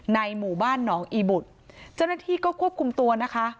ในหมู่บ้านหนองอีบุตรเจ้าหน้าที่ก็ควบคุมตัวนะคะ